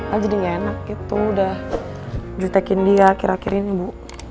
el jadi gak enak gitu udah jutekin dia akhir akhir ini bu